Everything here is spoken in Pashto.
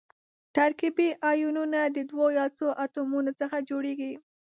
ترکیبي ایونونه د دوو یا څو اتومونو څخه جوړیږي.